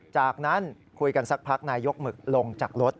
จากนั้นคุยกันสักพักนายยกหมึกลงจากรถ